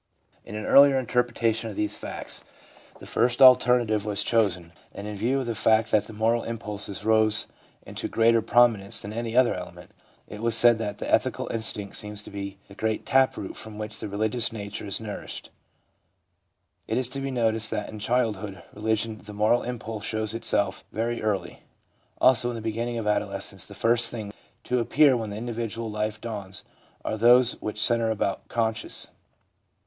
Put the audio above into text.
In an earlier interpretation of these facts, the first alternative was chosen, and in view of the fact that the moral impulses rose into greater prominence than any other element, it was said that the ' ethical instinct seems to be the great tap root from which the religious nature is nourished/ 1 It is to be noticed that in childhood religion the moral impulse shows itself very early. Also in the beginning of adolescence the first things to appear when the individual life dawns are those things which centre about conscience.